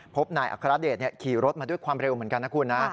พบนายอัครเดชขี่รถมาด้วยความเร็วเหมือนกันนะคุณนะ